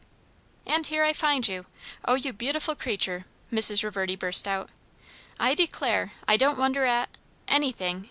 "And here I find you! O you beautiful creature!" Mrs. Reverdy burst out. "I declare, I don't wonder at anything!"